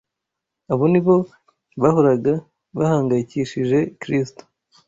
Abo ni bo bahoraga bahangayikishije Kristo,